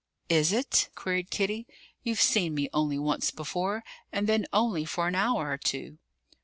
"Is it?" queried Kitty. "You've seen me only once before, and then only for an hour or two."